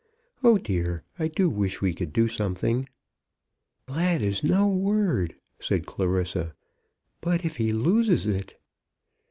Oh dear, I do wish we could do something." "Glad is no word," said Clarissa. "But if he loses it!"